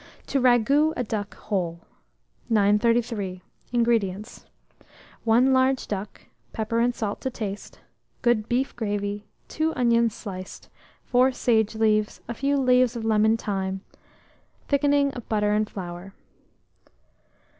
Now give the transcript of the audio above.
TO RAGOUT A DUCK WHOLE. 933. INGREDIENTS. 1 large duck, pepper and salt to taste, good beef gravy, 2 onions sliced, 4 sage leaves, a few leaves of lemon thyme, thickening of butter and flour.